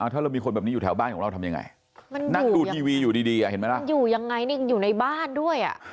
ถ้าเรามีคนแบบนี้อยู่แถวบ้านของเราทำยังไงนั่งดูทีวีอยู่ดีเห็นไหมล่ะมันอยู่ยังไงนี่อยู่ในบ้านด้วย